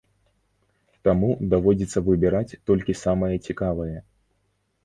Таму даводзіцца выбіраць толькі самае цікавае.